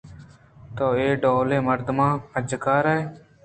تو اے ڈولیں مردماں پجہ کارئے